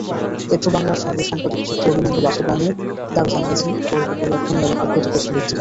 পেট্রোবাংলার সঙ্গে সম্পাদিত চুক্তি অবিলম্বে বাস্তবায়নের দাবি জানিয়েছেন বড়পুকুরিয়া খনি এলাকার ক্ষতিগ্রস্ত ব্যক্তিরা।